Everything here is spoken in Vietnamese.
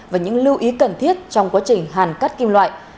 và những lưu ý cần thiết trong quá trình hàn cắt kim loại